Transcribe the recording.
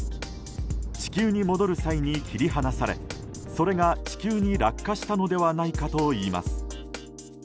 地球に戻る際に切り離されそれが地球に落下したのではないかといいます。